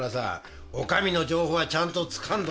お上の情報はちゃんとつかんどかないと。